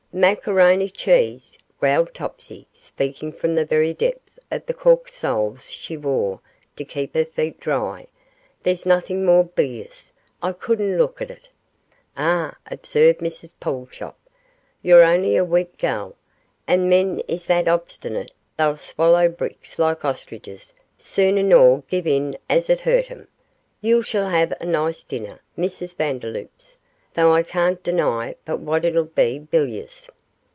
'Macaroni cheese,' growled Topsy, speaking from the very depth of the cork soles she wore to keep her feet dry; 'there's nothing more bilious. I couldn't look at it.' 'Ah,' observed Mrs Pulchop, 'you're only a weak gal, and men is that obstinate they'd swaller bricks like ostriges sooner nor give in as it hurt 'em. You shall 'ave a nice dinner, Mrs Vanloops, tho' I can't deny but what it ull be bilious.